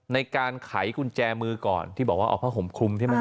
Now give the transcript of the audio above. ในการไขกุญแจมือก่อนที่บอกว่าเอาผ้าห่มคลุมใช่ไหม